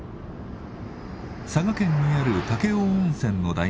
佐賀県にある武雄温泉の代名詞。